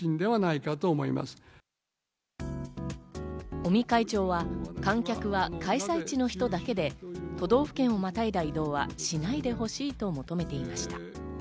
尾身会長は観客は開催地の人だけで都道府県をまたいだ移動はしないでほしいと求めていました。